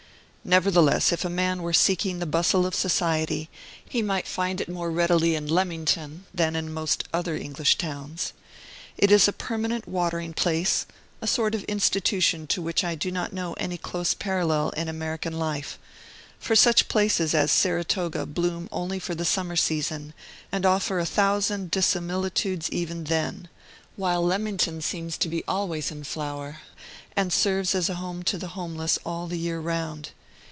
Nevertheless, if a man were seeking the bustle of society, he might find it more readily in Leamington than in most other English towns. It is a permanent watering place, a sort of institution to which I do not know any close parallel in American life: for such places as Saratoga bloom only for the summer season, and offer a thousand dissimilitudes even then; while Leamington seems to be always in flower, and serves as a home to the homeless all the year round.